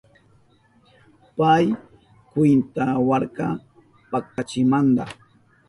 Pay kwintawarka pachachimanta